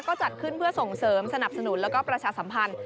ก็จัดขึ้นเพื่อส่งเสริมสนับสนุนแล้วก็ประชาสัมพันธ์